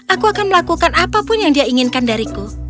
aku akan melakukan apapun yang dia inginkan dariku